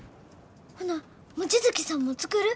ほな望月さんも作る？